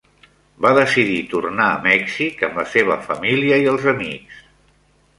Va decidir tornar a Mèxic amb la seva família i els amics.